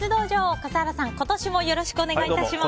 笠原さん、今年もよろしくお願いいたします。